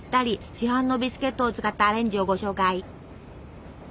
市販のビスケットを使ったアレンジをご紹介！